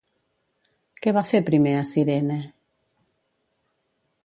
Què va fer primer a Cirene?